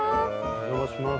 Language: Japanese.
お邪魔します。